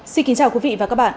xin kính chào quý vị và các bạn